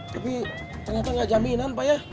tapi ternyata nggak jaminan pak ya